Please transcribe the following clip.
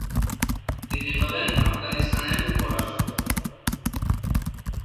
তিনি হলে আফগানিস্তান এর উপ রাষ্ট্রপতি।